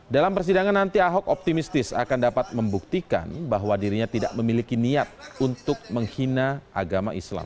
dalam persidangan nanti ahok optimistis akan dapat membuktikan bahwa dirinya tidak memiliki niat untuk menghina agama islam